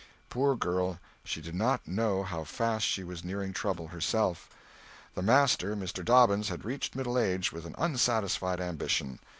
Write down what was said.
Poor girl, she did not know how fast she was nearing trouble herself. The master, Mr. Dobbins, had reached middle age with an unsatisfied ambition.